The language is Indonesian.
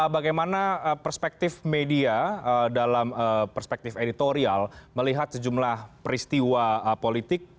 bagaimana perspektif media dalam perspektif editorial melihat sejumlah peristiwa politik